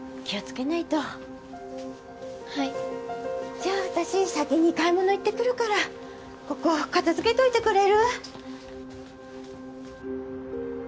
じゃあ私先に買い物行ってくるからここ片付けておいてくれる？